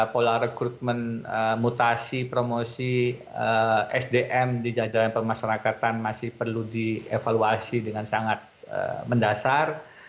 pola rekrutmen mutasi promosi sdm di jajaran pemasarakatan masih perlu dievaluasi dengan sangat mendasar